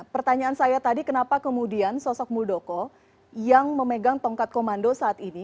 pertanyaan saya tadi kenapa kemudian sosok muldoko yang memegang tongkat komando saat ini